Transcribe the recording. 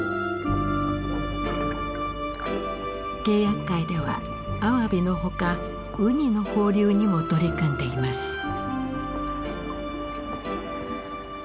契約会ではアワビのほかウニの放流にも取り組んでいます。